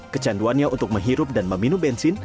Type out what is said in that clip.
kecanduannya untuk menghirup dan meminum bensin